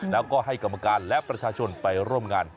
แล้วก็ให้กรรมการและประชาชนไปร่วมงาน